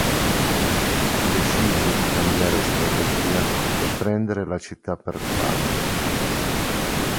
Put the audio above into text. Decise di cambiare strategia e prendere la città per fame.